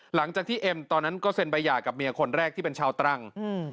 หลังจากที่เอ็มตอนนั้นก็เซ็นใบหย่ากับเมียคนแรกที่เป็นชาวตรัง